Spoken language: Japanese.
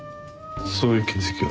そういう形跡は？